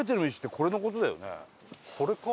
これか？